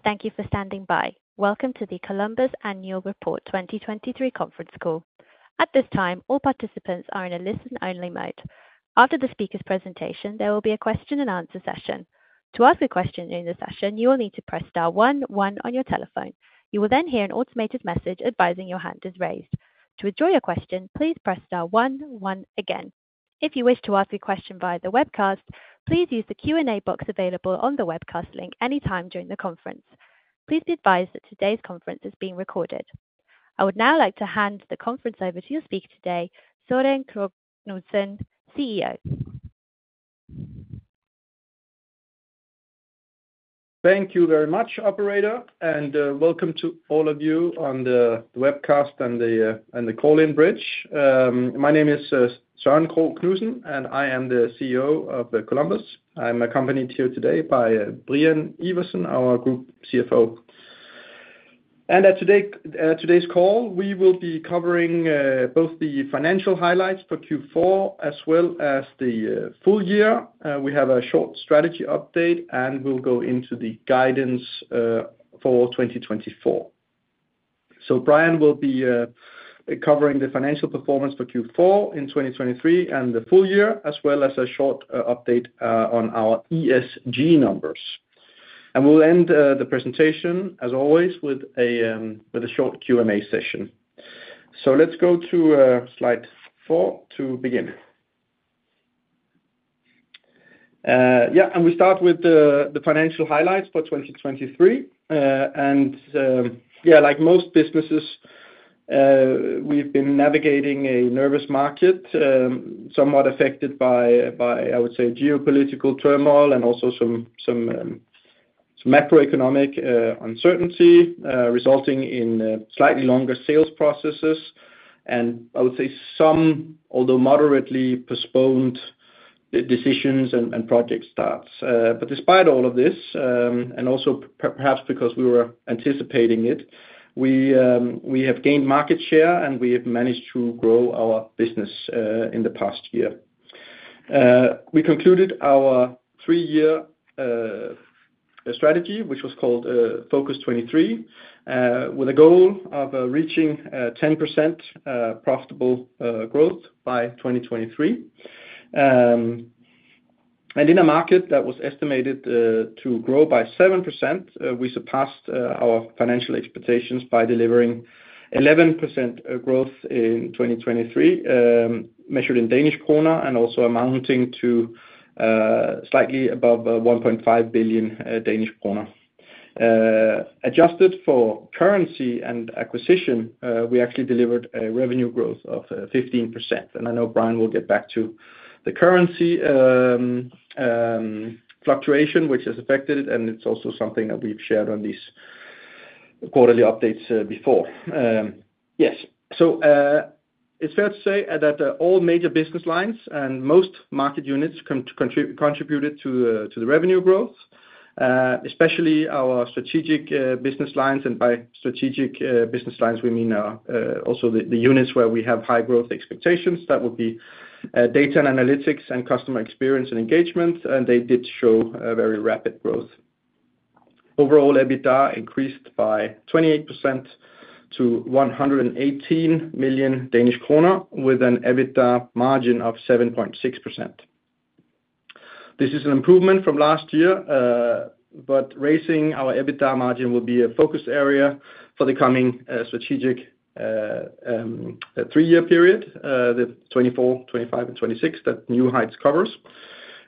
Thank you for standing by. Welcome to the Columbus Annual Report 2023 conference call. At this time, all participants are in a listen-only mode. After the speaker's presentation, there will be a question and answer session. To ask a question during the session, you will need to press star one one on your telephone. You will then hear an automated message advising your hand is raised. To withdraw your question, please press star one one again. If you wish to ask a question via the webcast, please use the Q&A box available on the webcast link anytime during the conference. Please be advised that today's conference is being recorded. I would now like to hand the conference over to your speaker today, Søren Krogh Knudsen, CEO. Thank you very much, operator, and welcome to all of you on the webcast and the call-in bridge. My name is Søren Krogh Knudsen, and I am the CEO of Columbus. I'm accompanied here today by Brian Iversen, our Group CFO. At today, today's call, we will be covering both the financial highlights for Q4 as well as the full year. We have a short strategy update, and we'll go into the guidance for 2024. So Brian will be covering the financial performance for Q4 in 2023 and the full year, as well as a short update on our ESG numbers. And we'll end the presentation, as always, with a short Q&A session. So let's go to slide four to begin. Yeah, we start with the financial highlights for 2023. Like most businesses, we've been navigating a nervous market, somewhat affected by, I would say, geopolitical turmoil and also some macroeconomic uncertainty, resulting in slightly longer sales processes. I would say some, although moderately postponed, decisions and project starts. But despite all of this, and also perhaps because we were anticipating it, we have gained market share, and we have managed to grow our business in the past year. We concluded our three-year strategy, which was called Focus23, with a goal of reaching 10% profitable growth by 2023. And in a market that was estimated to grow by 7%, we surpassed our financial expectations by delivering 11% growth in 2023, measured in Danish kroner and also amounting to slightly above 1.5 billion Danish kroner. Adjusted for currency and acquisition, we actually delivered a revenue growth of 15%, and I know Brian will get back to the currency fluctuation, which has affected it, and it's also something that we've shared on these quarterly updates before. Yes. So, it's fair to say that all major business lines and most market units contributed to the revenue growth, especially our strategic business lines, and by strategic business lines, we mean also the units where we have high growth expectations. That would be Data and Analytics and Customer Experience and Engagement, and they did show a very rapid growth. Overall, EBITDA increased by 28% to 118 million Danish kroner, with an EBITDA margin of 7.6%. This is an improvement from last year, but raising our EBITDA margin will be a focus area for the coming strategic three-year period, the 2024, 2025 and 2026, that New Heights covers.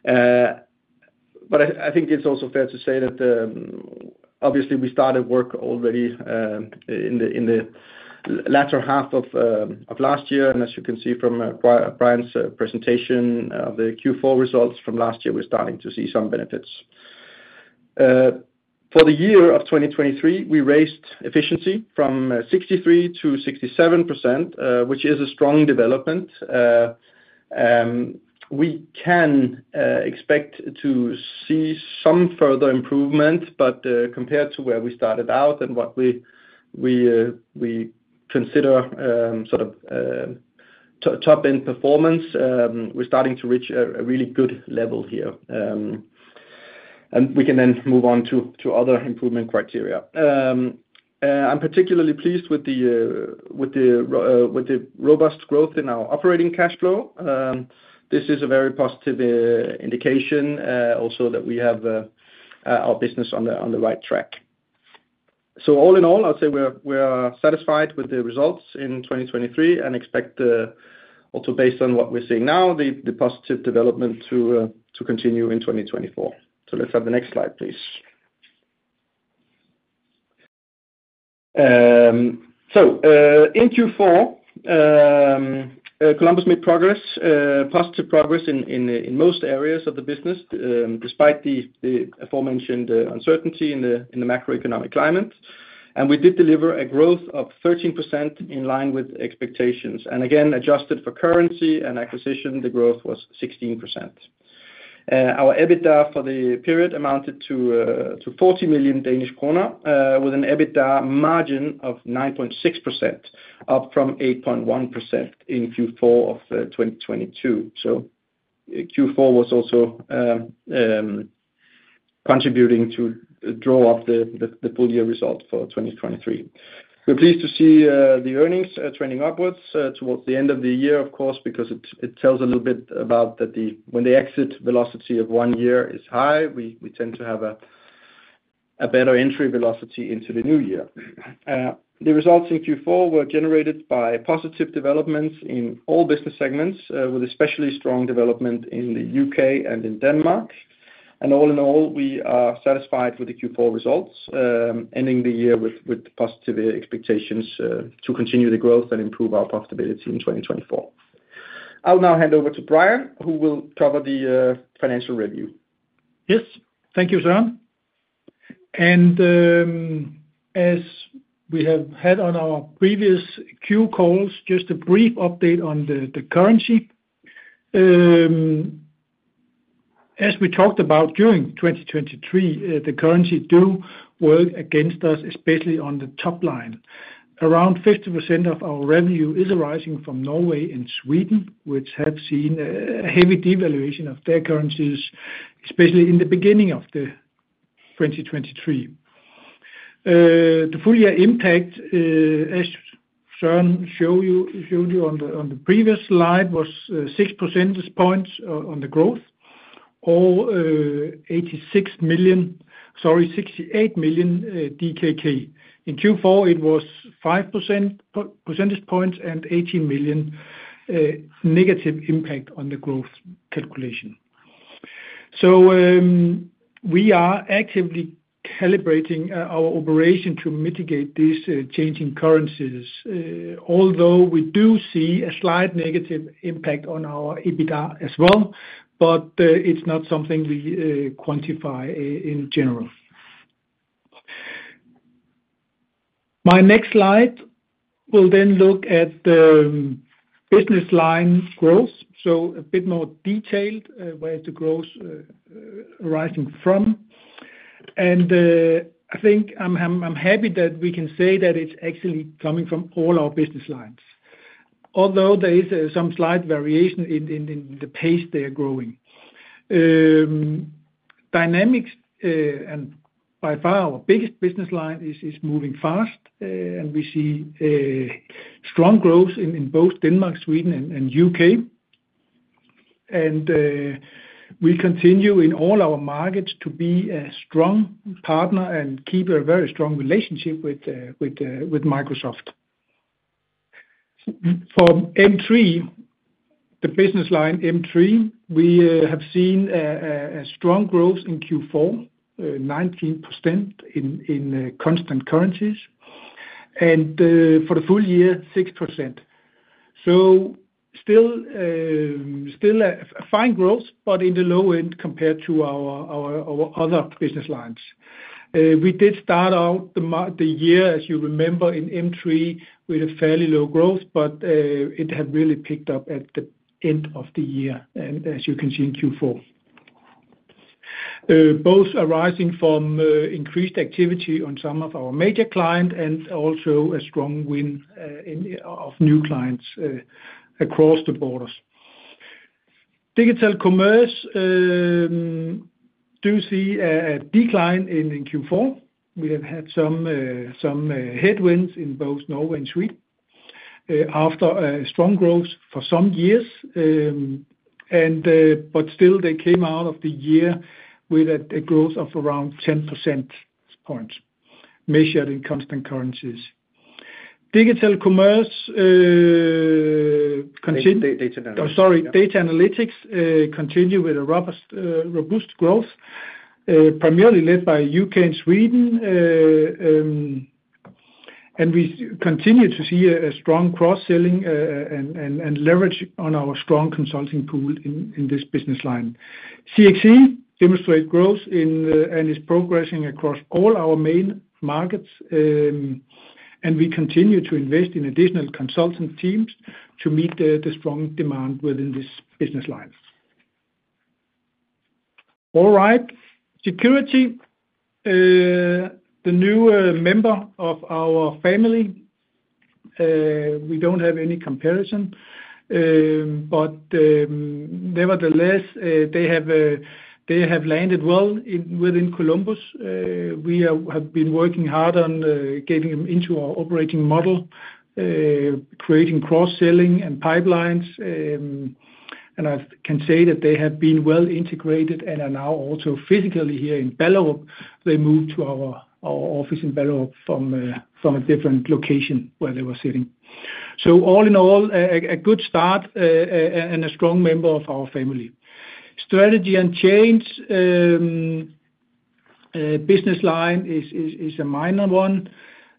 But I think it's also fair to say that, obviously, we started work already in the latter half of last year, and as you can see from Brian's presentation, the Q4 results from last year, we're starting to see some benefits. For the year of 2023, we raised efficiency from 63%-67%, which is a strong development. We can expect to see some further improvement, but compared to where we started out and what we consider sort of top-end performance, we're starting to reach a really good level here. And we can then move on to other improvement criteria. I'm particularly pleased with the robust growth in our operating cash flow. This is a very positive indication also that we have our business on the right track. So all in all, I'd say we're satisfied with the results in 2023 and expect, also based on what we're seeing now, the positive development to continue in 2024. So let's have the next slide, please. So, in Q4, Columbus made positive progress in most areas of the business, despite the aforementioned uncertainty in the macroeconomic climate. And we did deliver a growth of 13% in line with expectations, and again, adjusted for currency and acquisition, the growth was 16%. Our EBITDA for the period amounted to 40 million Danish kroner, with an EBITDA margin of 9.6%, up from 8.1% in Q4 of 2022. So-... Q4 was also contributing to draw up the full year result for 2023. We're pleased to see the earnings trending upwards towards the end of the year, of course, because it tells a little bit about that when the exit velocity of one year is high, we tend to have a better entry velocity into the new year. The results in Q4 were generated by positive developments in all business segments, with especially strong development in the UK and in Denmark. All in all, we are satisfied with the Q4 results, ending the year with positive expectations to continue the growth and improve our profitability in 2024. I'll now hand over to Brian, who will cover the financial review. Yes. Thank you, Søren. As we have had on our previous Q calls, just a brief update on the currency. As we talked about during 2023, the currency do work against us, especially on the top line. Around 50% of our revenue is arising from Norway and Sweden, which have seen a heavy devaluation of their currencies, especially in the beginning of 2023. The full year impact, as Søren showed you on the previous slide, was 6 percentage points on the growth, or eighty-six million. Sorry, 68 million DKK. In Q4, it was 5 percentage points and 18 million negative impact on the growth calculation. So, we are actively calibrating our operation to mitigate these changing currencies, although we do see a slight negative impact on our EBITDA as well, but it's not something we quantify in general. My next slide will then look at the business line growth, so a bit more detailed, where the growth arising from. And I think I'm happy that we can say that it's actually coming from all our business lines, although there is some slight variation in the pace they are growing. Dynamics and by far our biggest business line is moving fast, and we see a strong growth in both Denmark, Sweden, and UK. We continue in all our markets to be a strong partner and keep a very strong relationship with Microsoft. For M3, the business line M3, we have seen a strong growth in Q4, 19% in constant currencies, and for the full year, 6%. So still a fine growth, but in the low end compared to our other business lines. We did start out the year, as you remember, in M3, with a fairly low growth, but it had really picked up at the end of the year, and as you can see in Q4. Both arising from increased activity on some of our major client and also a strong win in of new clients across the borders. Digital Commerce does see a decline in Q4. We have had some headwinds in both Norway and Sweden after a strong growth for some years, but still they came out of the year with a growth of around 10 percentage points, measured in constant currencies. Digital Commerce contin- Data Analytics. Oh, sorry, Data Analytics continue with a robust, robust growth primarily led by UK and Sweden, and we continue to see a strong cross-selling and leverage on our strong consulting pool in this business line. CXE demonstrate growth in and is progressing across all our main markets, and we continue to invest in additional consultant teams to meet the strong demand within this business lines. All right. Security, the new member of our family, we don't have any comparison, but nevertheless, they have landed well within Columbus. We have been working hard on getting them into our operating model, creating cross-selling and pipelines, and I can say that they have been well integrated and are now also physically here in Ballerup. They moved to our office in Ballerup from a different location where they were sitting. So all in all, a good start, and a strong member of our family. Strategy and Change business line is a minor one,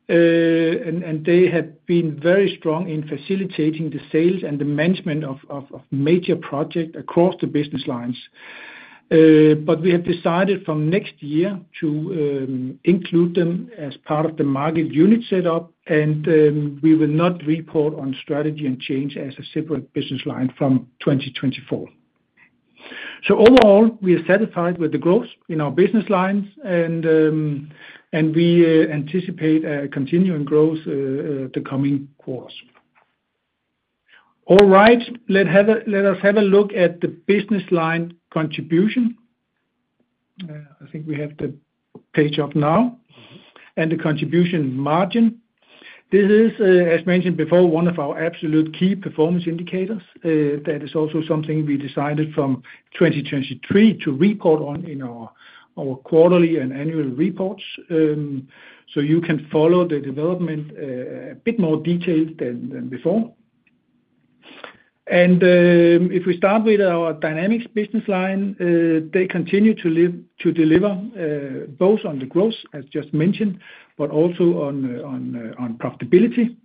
and they have been very strong in facilitating the sales and the management of major projects across the business lines. But we have decided from next year to include them as part of the market unit setup, and we will not report on Strategy and Change as a separate business line from 2024. So overall, we are satisfied with the growth in our business lines, and we anticipate a continuing growth the coming quarters. All right, let us have a look at the business line contribution. I think we have the page up now, and the contribution margin. This is, as mentioned before, one of our absolute key performance indicators, that is also something we decided from 2023 to report on in our quarterly and annual reports. So you can follow the development, a bit more detailed than before. And, if we start with our Dynamics business line, they continue to live, to deliver both on the growth, as just mentioned, but also on profitability.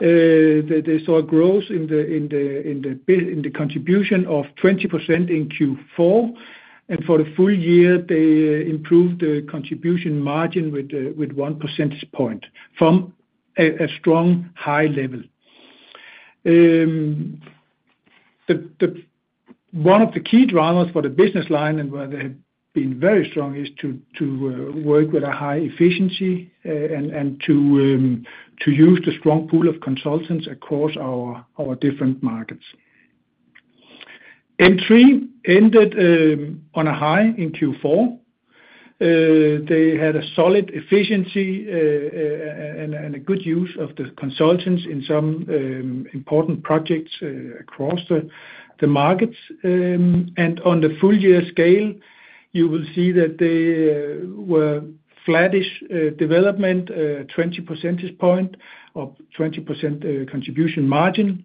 They saw a growth in the contribution of 20% in Q4, and for the full year, they improved the contribution margin with one percentage point from a strong high level. One of the key drivers for the business line and where they have been very strong is to work with a high efficiency and to use the strong pool of consultants across our different markets. M3 ended on a high in Q4. They had a solid efficiency and a good use of the consultants in some important projects across the markets. On the full year scale, you will see that they were flattish development, 20 percentage point or 20% contribution margin,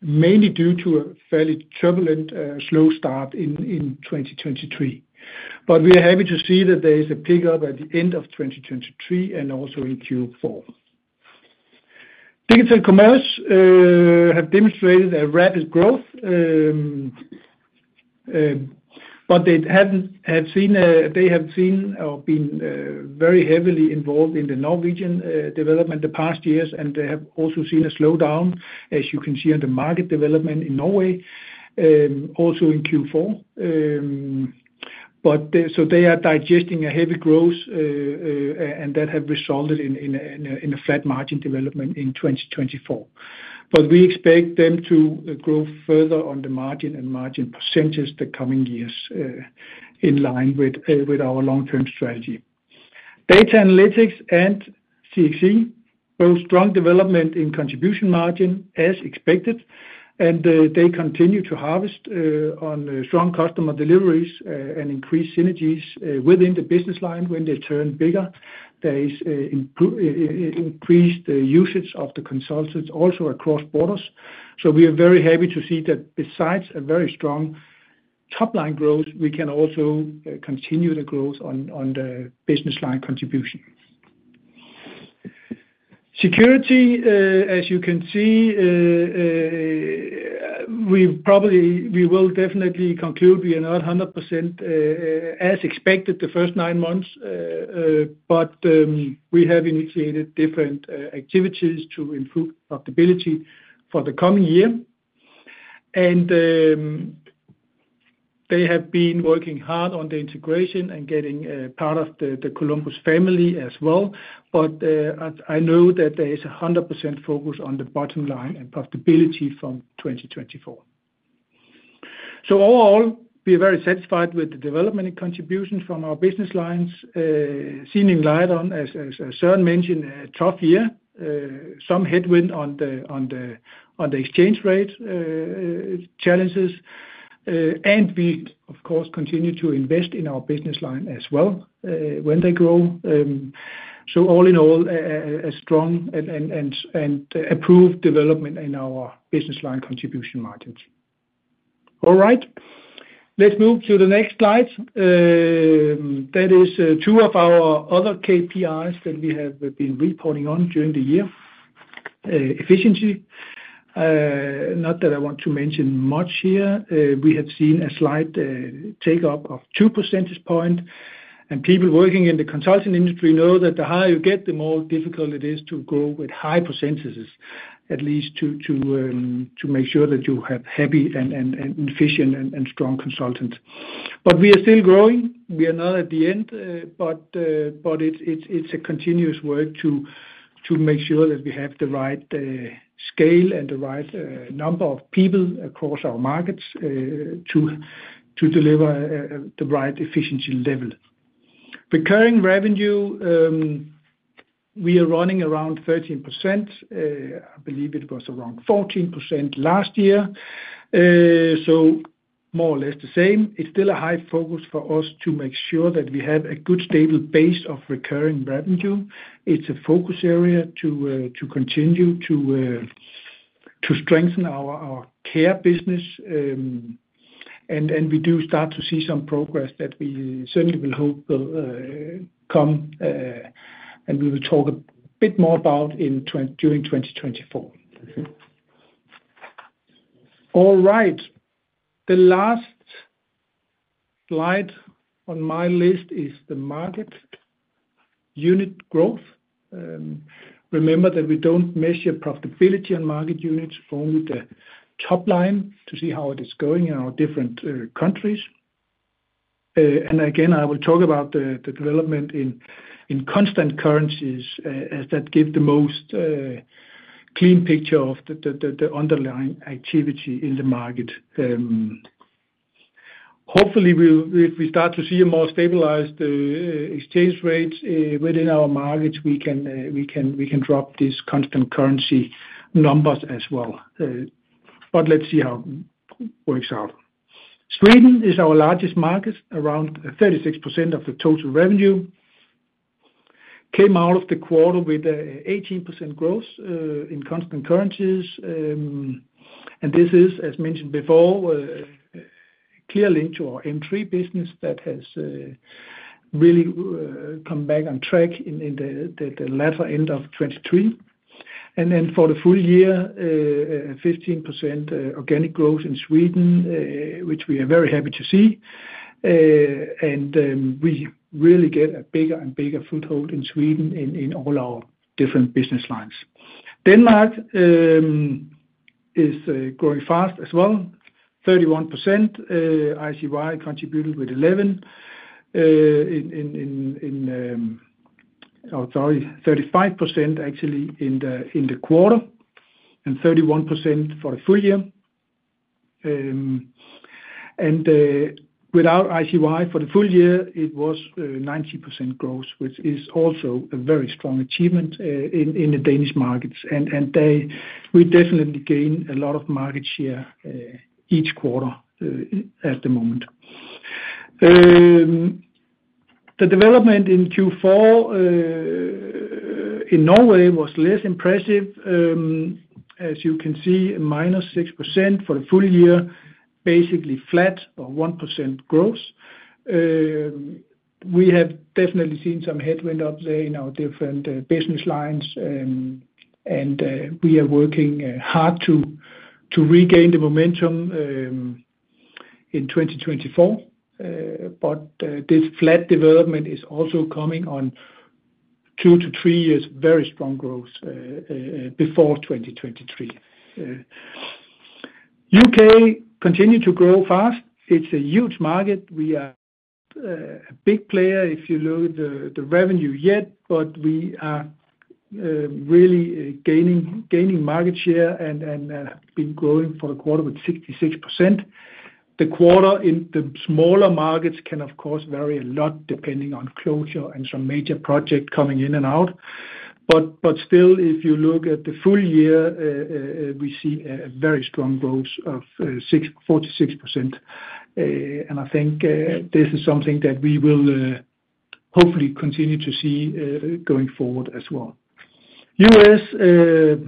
mainly due to a fairly turbulent, slow start in 2023. But we are happy to see that there is a pickup at the end of 2023 and also in Q4. Digital Commerce have demonstrated a rapid growth, but they have seen or been very heavily involved in the Norwegian development the past years, and they have also seen a slowdown, as you can see on the market development in Norway, also in Q4. But so they are digesting a heavy growth, and that have resulted in a flat margin development in 2024. But we expect them to grow further on the margin and margin percentages the coming years, in line with with our long-term strategy. Data Analytics and CXE, both strong development in contribution margin as expected, and they continue to harvest on strong customer deliveries, and increase synergies within the business line when they turn bigger. There is increased usage of the consultants also across borders. So we are very happy to see that besides a very strong top-line growth, we can also continue the growth on the business line contribution. Security, as you can see, we probably, we will definitely conclude we are not 100% as expected, the first nine months, but we have initiated different activities to improve profitability for the coming year. And, they have been working hard on the integration and getting part of the Columbus family as well. But, I know that there is 100% focus on the bottom line and profitability from 2024. So overall, we are very satisfied with the development and contribution from our business lines, seeming light on as Søren mentioned, a tough year, some headwind on the exchange rate challenges, and we, of course, continue to invest in our business line as well, when they grow. So all in all, a strong and improved development in our business line contribution margins. All right. Let's move to the next slide. That is two of our other KPIs that we have been reporting on during the year. Efficiency, not that I want to mention much here. We have seen a slight take-up of 2 percentage points, and people working in the consulting industry know that the higher you get, the more difficult it is to grow with high percentages, at least to make sure that you have happy and efficient and strong consultants. But we are still growing. We are not at the end, but it's a continuous work to make sure that we have the right scale and the right number of people across our markets to deliver the right efficiency level. Recurring revenue, we are running around 13%, I believe it was around 14% last year, so more or less the same. It's still a high focus for us to make sure that we have a good, stable base of recurring revenue. It's a focus area to continue to strengthen our Care business, and we do start to see some progress that we certainly will hope will come, and we will talk a bit more about during 2024. All right, the last slide on my list is the market unit growth. Remember that we don't measure profitability and market units, only the top line to see how it is going in our different countries. And again, I will talk about the development in constant currencies, as that give the most clean picture of the underlying activity in the market. Hopefully, we'll start to see a more stabilized exchange rates within our markets. We can drop these constant currency numbers as well. But let's see how it works out. Sweden is our largest market, around 36% of the total revenue. Came out of the quarter with 18% growth in constant currencies. And this is, as mentioned before, clearly to our M3 business that has really come back on track in the latter end of 2023. And then for the full year, 15% organic growth in Sweden, which we are very happy to see. And we really get a bigger and bigger foothold in Sweden in all our different business lines. Denmark is growing fast as well, 31%, ICY contributed with 11. Oh, sorry, 35% actually in the quarter, and 31% for the full year. And without ICY for the full year, it was 19% growth, which is also a very strong achievement in the Danish markets. And we definitely gain a lot of market share each quarter at the moment. The development in Q4 in Norway was less impressive. As you can see, minus 6% for the full year, basically flat or 1% growth. We have definitely seen some headwind up there in our different business lines, and we are working hard to regain the momentum in 2024. But this flat development is also coming on two to three years, very strong growth, before 2023. UK continues to grow fast. It's a huge market. We are a big player if you look at the revenue yet, but we are really gaining market share and been growing for a quarter with 66%. The quarter in the smaller markets can, of course, vary a lot depending on closure and some major project coming in and out. But still, if you look at the full year, we see a very strong growth of 66%. And I think this is something that we will hopefully continue to see going forward as well. US,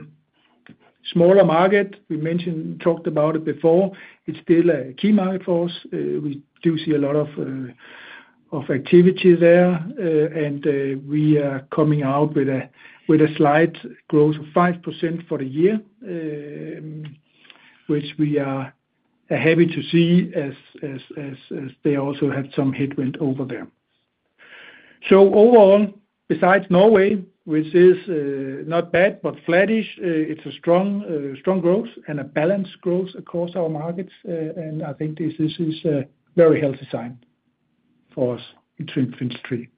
smaller market, we mentioned, talked about it before. It's still a key market for us. We do see a lot of activity there, and we are coming out with a slight growth of 5% for the year, which we are happy to see as they also have some headwind over there. So overall, besides Norway, which is not bad but flattish, it's a strong growth and a balanced growth across our markets, and I think this is a very healthy sign for us in 2023.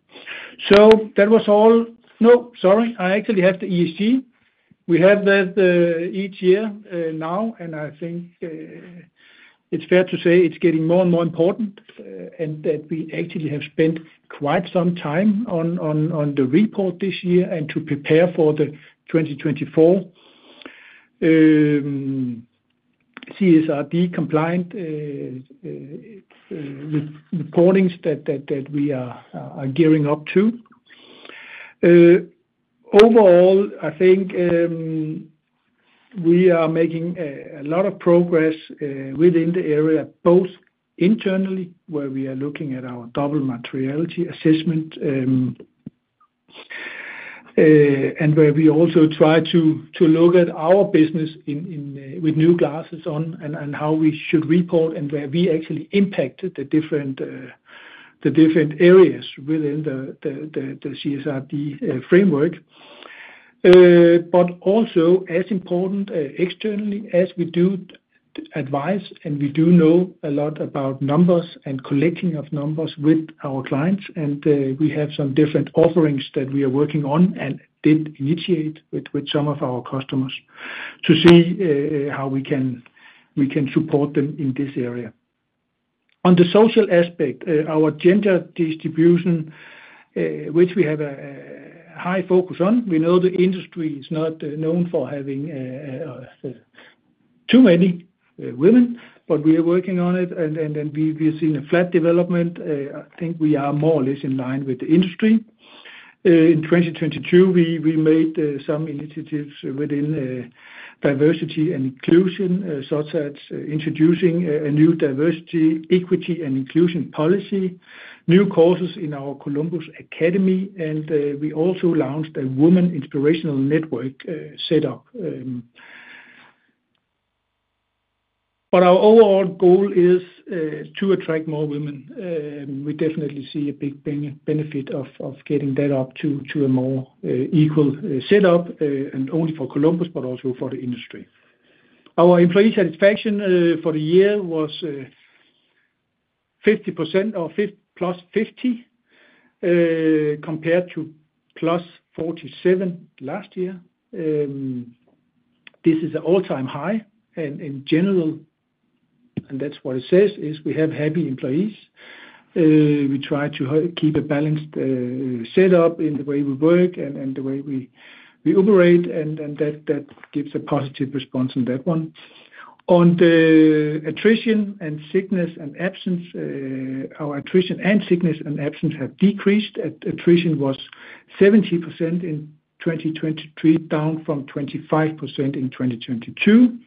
So that was all- No, sorry. I actually have the ESG. We have that each year now, and I think it's fair to say it's getting more and more important, and that we actually have spent quite some time on the report this year and to prepare for the 2024 CSRD compliant reportings that we are gearing up to. Overall, I think we are making a lot of progress within the area, both internally, where we are looking at our double materiality assessment, and where we also try to look at our business in with new glasses on and how we should report and where we actually impact the different areas within the CSRD framework. But also as important externally as we do advise, and we do know a lot about numbers and collecting of numbers with our clients, and we have some different offerings that we are working on and did initiate with some of our customers to see how we can support them in this area. On the social aspect, our gender distribution, which we have a high focus on, we know the industry is not known for having too many women, but we are working on it, and we have seen a flat development. I think we are more or less in line with the industry. In 2022, we made some initiatives within diversity and inclusion, such as introducing a new diversity, equity, and inclusion policy, new courses in our Columbus Academy, and we also launched a Woman Inspirational Network, set up. But our overall goal is to attract more women. We definitely see a big benefit of getting that up to a more equal setup, and only for Columbus, but also for the industry. Our employee satisfaction for the year was 50% or +50, compared to +47 last year. This is an all-time high and general, and that's what it says, is we have happy employees. We try to keep a balanced setup in the way we work and the way we operate, and that gives a positive response on that one. On the attrition and sickness and absence, our attrition and sickness and absence have decreased. Our attrition was 17% in 2023, down from 25% in 2022,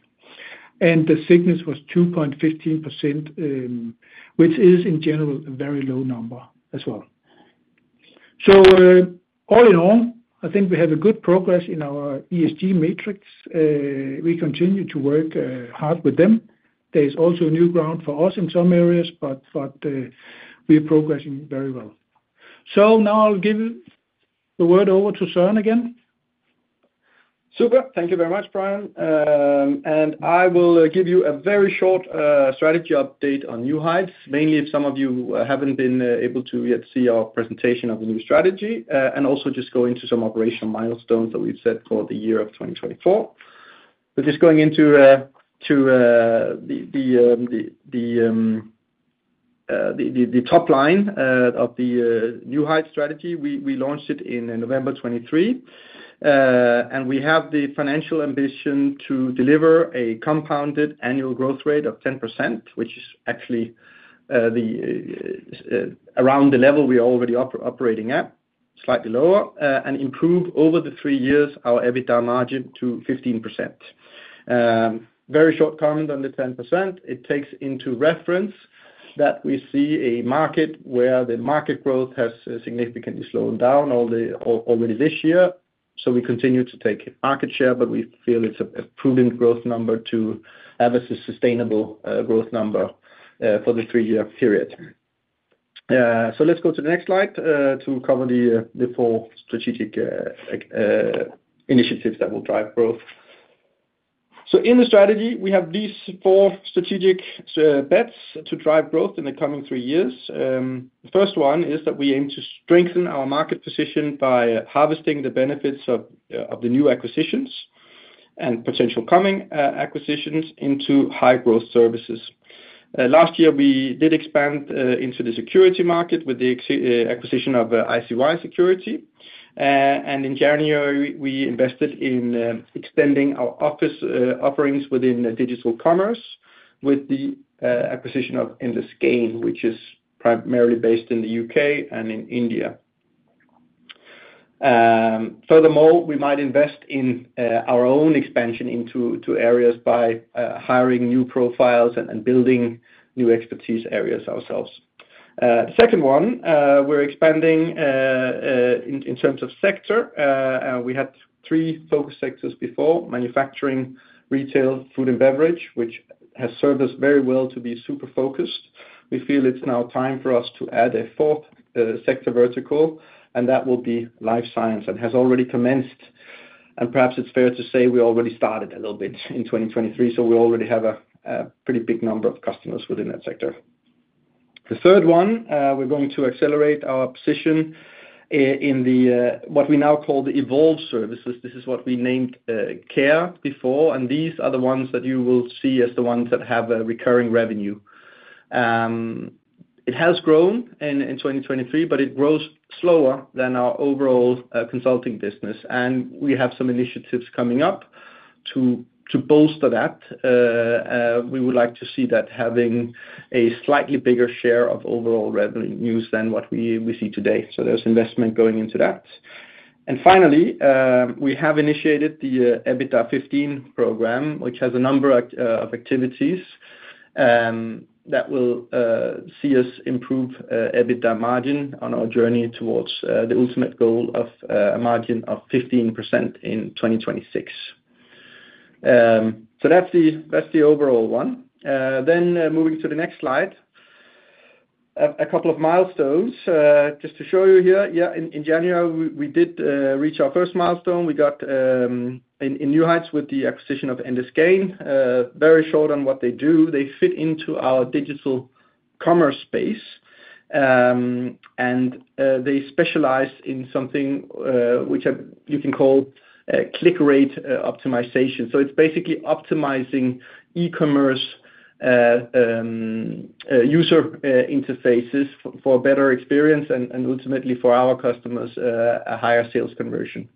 and the sickness was 2.15%, which is, in general, a very low number as well. So, all in all, I think we have good progress in our ESG matrix. We continue to work hard with them. There is also new ground for us in some areas, but we are progressing very well. So now I'll give the word over to Søren again. Super. Thank you very much, Brian. And I will give you a very short strategy update on New Heights. Mainly, if some of you haven't been able to yet see our presentation of the new strategy, and also just go into some operational milestones that we've set for the year of 2024. But just going into the top line of the New Heights strategy, we launched it in November 2023. And we have the financial ambition to deliver a compounded annual growth rate of 10%, which is actually around the level we are already operating at, slightly lower, and improve over the three years our EBITDA margin to 15%. Very short comment on the 10%. It takes into reference that we see a market where the market growth has significantly slowed down already this year. So we continue to take market share, but we feel it's a prudent growth number to have a sustainable growth number for the three-year period. So let's go to the next slide to cover the four strategic initiatives that will drive growth. So in the strategy, we have these four strategic bets to drive growth in the coming three years. The first one is that we aim to strengthen our market position by harvesting the benefits of the new acquisitions and potential coming acquisitions into high growth services. Last year, we did expand into the security market with the acquisition of ICY Security. In January, we invested in extending our office offerings within digital commerce with the acquisition of Endless Gain, which is primarily based in the UK and in India. Furthermore, we might invest in our own expansion into areas by hiring new profiles and building new expertise areas ourselves. The second one, we're expanding in terms of sector. We had three focus sectors before: manufacturing, retail, food and beverage, which has served us very well to be super focused. We feel it's now time for us to add a fourth sector vertical, and that will be life science, and has already commenced. Perhaps it's fair to say we already started a little bit in 2023, so we already have a pretty big number of customers within that sector. The third one, we're going to accelerate our position in the what we now call the Evolve services. This is what we named, Care before, and these are the ones that you will see as the ones that have a recurring revenue. It has grown in 2023, but it grows slower than our overall consulting business, and we have some initiatives coming up to bolster that. We would like to see that having a slightly bigger share of overall revenues than what we see today. So there's investment going into that. And finally, we have initiated the EBITDA15 program, which has a number of activities that will see us improve EBITDA margin on our journey towards the ultimate goal of a margin of 15% in 2026. So that's the overall one. Then, moving to the next slide, a couple of milestones. Just to show you here, yeah, in January, we did reach our first milestone. We got in New Heights with the acquisition of Endless Gain. Very short on what they do. They fit into our digital commerce space, and they specialize in something which you can call conversion rate optimization. So it's basically optimizing e-commerce user interfaces for a better experience and ultimately for our customers a higher sales conversion.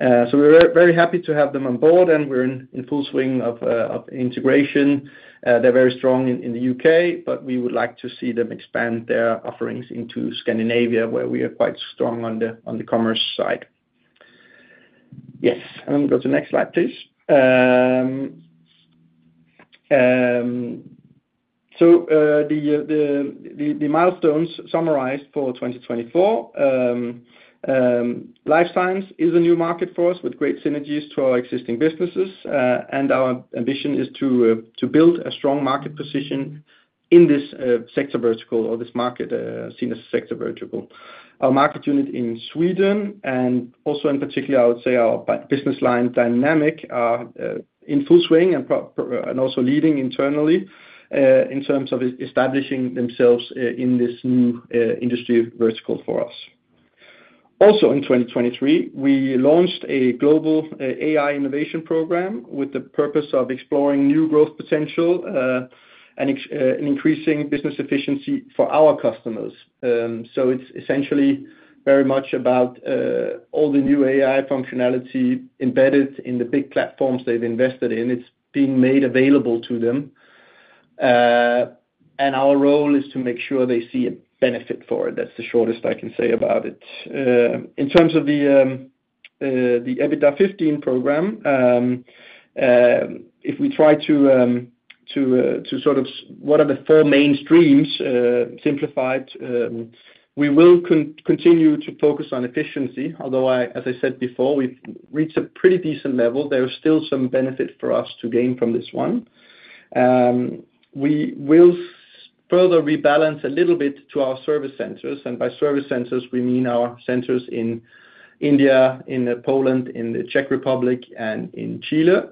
So we're very happy to have them on board, and we're in full swing of integration. They're very strong in the U.K., but we would like to see them expand their offerings into Scandinavia, where we are quite strong on the commerce side. Yes, and go to the next slide, please. So, the milestones summarized for 2024, life science is a new market for us with great synergies to our existing businesses. And our ambition is to build a strong market position in this sector vertical or this market seen as sector vertical. Our market unit in Sweden, and also in particular, I would say our business line Dynamics, are in full swing and also leading internally in terms of establishing themselves in this new industry vertical for us. Also, in 2023, we launched a global AI innovation program with the purpose of exploring new growth potential and increasing business efficiency for our customers. So it's essentially very much about all the new AI functionality embedded in the big platforms they've invested in. It's being made available to them. And our role is to make sure they see a benefit for it. That's the shortest I can say about it. In terms of the EBITDA15 program, if we try to sort of... What are the four main streams, simplified, we will continue to focus on efficiency, although as I said before, we've reached a pretty decent level. There is still some benefit for us to gain from this one. We will further rebalance a little bit to our service centers, and by service centers, we mean our centers in India, in Poland, in the Czech Republic, and in Chile,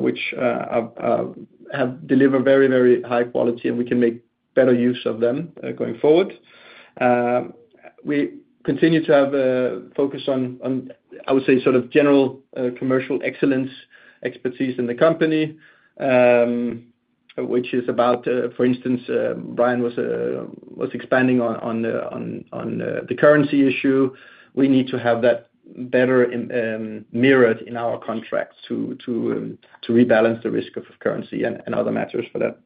which have delivered very, very high quality, and we can make better use of them going forward. We continue to have a focus on, I would say, sort of general commercial excellence, expertise in the company, which is about. For instance, Brian was expanding on the currency issue. We need to have that better mirrored in our contracts to rebalance the risk of currency and other matters for that.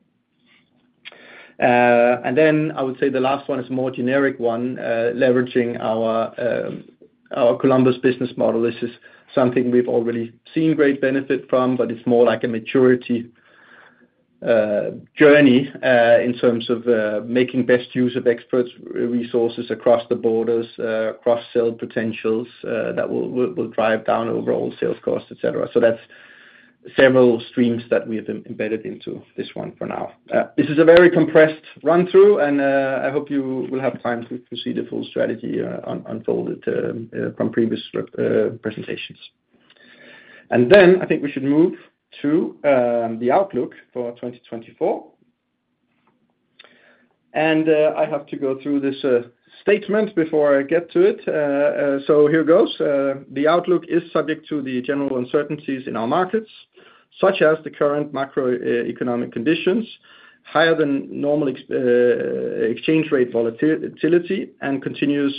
And then I would say the last one is a more generic one, leveraging our Columbus business model. This is something we've already seen great benefit from, but it's more like a maturity journey in terms of making best use of experts, resources across the borders, cross-sell potentials that will, will, will drive down overall sales costs, et cetera. So that's several streams that we have embedded into this one for now. This is a very compressed run-through, and I hope you will have time to see the full strategy unfolded from previous presentations. And then I think we should move to the outlook for 2024. And I have to go through this statement before I get to it. So here goes. The outlook is subject to the general uncertainties in our markets, such as the current macro economic conditions, higher than normal ex... Exchange rate volatility and continuous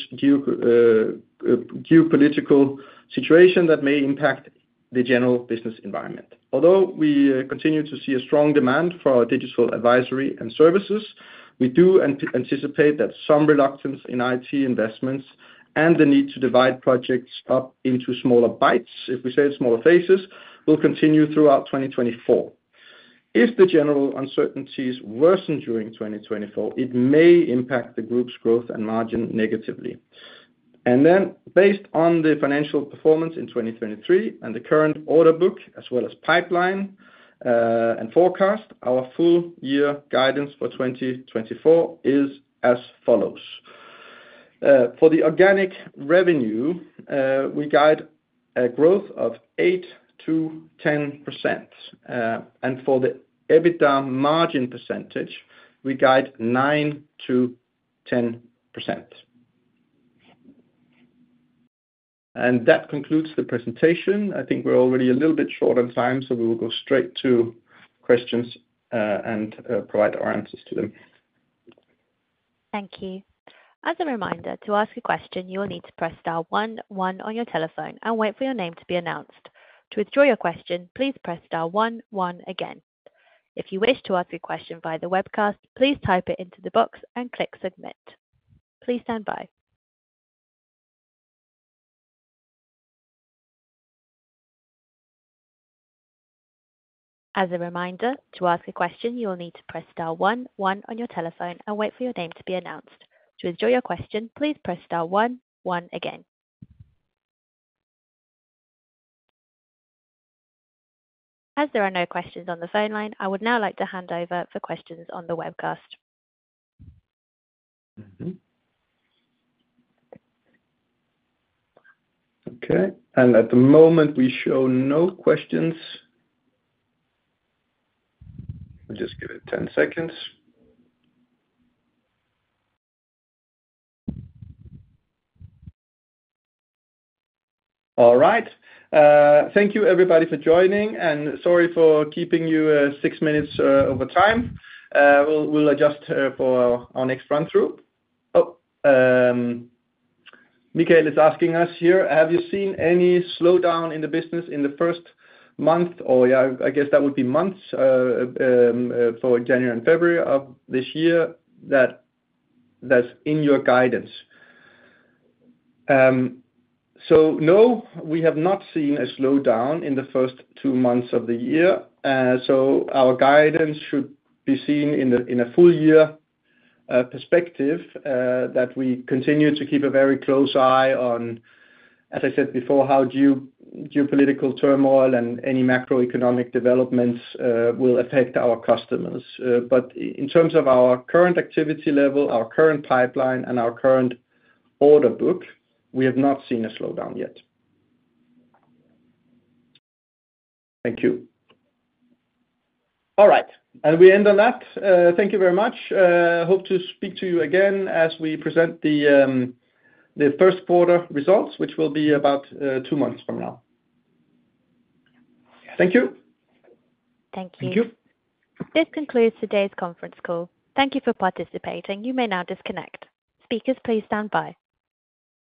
geopolitical situation that may impact the general business environment. Although we continue to see a strong demand for our digital advisory and services, we do anticipate that some reluctance in IT investments and the need to divide projects up into smaller bites, if we say smaller phases, will continue throughout 2024. If the general uncertainties worsen during 2024, it may impact the group's growth and margin negatively. Then, based on the financial performance in 2023 and the current order book, as well as pipeline, and forecast, our full year guidance for 2024 is as follows: For the organic revenue, we guide a growth of 8%-10%, and for the EBITDA margin percentage, we guide 9%-10%. That concludes the presentation. I think we're already a little bit short on time, so we will go straight to questions, and provide our answers to them. Thank you. As a reminder, to ask a question, you will need to press star one one on your telephone and wait for your name to be announced. To withdraw your question, please press star one one again. If you wish to ask your question via the webcast, please type it into the box and click Submit. Please stand by. As a reminder, to ask a question, you will need to press star one one on your telephone and wait for your name to be announced. To withdraw your question, please press star one one again. As there are no questions on the phone line, I would now like to hand over for questions on the webcast. Mm-hmm. Okay, and at the moment, we show no questions. Just give it 10 seconds. All right. Thank you, everybody, for joining, and sorry for keeping you six minutes over time. We'll adjust for our next run-through. Michael is asking us here: Have you seen any slowdown in the business in the first month, or, yeah, I guess that would be months, for January and February of this year, that's in your guidance? So no, we have not seen a slowdown in the first two months of the year. So our guidance should be seen in a full year perspective that we continue to keep a very close eye on, as I said before, how geopolitical turmoil and any macroeconomic developments will affect our customers. But in terms of our current activity level, our current pipeline, and our current order book, we have not seen a slowdown yet. Thank you. All right, and we end on that. Thank you very much. Hope to speak to you again as we present the first quarter results, which will be about two months from now. Thank you. Thank you. Thank you. This concludes today's conference call. Thank you for participating. You may now disconnect. Speakers, please stand by.